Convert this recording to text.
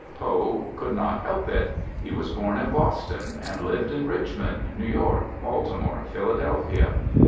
Poe could not help it. He was born in Boston, and lived in Richmond, New York, Baltimore, Philadelphia.